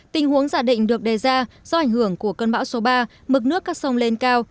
tình huống giả định được đề ra do ảnh hưởng của cơn bão số ba mực nước các sông lên cao